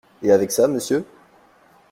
Et avec ça, Monsieur?